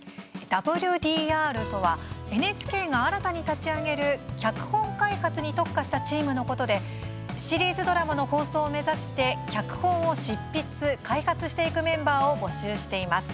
ＷＤＲとはＮＨＫが新たに立ち上げる脚本開発に特化したチームのことでシリーズドラマの放送を目指して脚本を執筆、開発していくメンバーを募集しています。